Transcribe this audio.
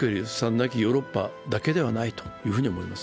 なきヨーロッパだけではないと思います。